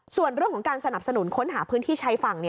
ส่วนเรื่องของการสนับสนุนค้นหาพื้นที่ชายฝั่ง